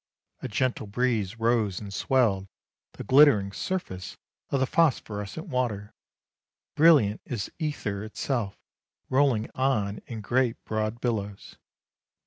A gentle breeze rose and swelled the glittering surface of the phosphorescent water, brilliant as ether itself rolling on in great broad billows.